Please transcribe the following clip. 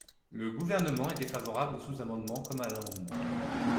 Le Gouvernement est défavorable au sous-amendement comme à l’amendement.